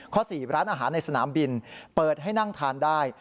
๔ร้านอาหารในสนามบินเปิดให้นั่งทานได้